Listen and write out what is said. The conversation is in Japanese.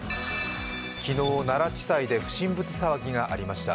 昨日奈良地裁で不審物騒ぎがありました。